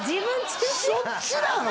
そっちなの？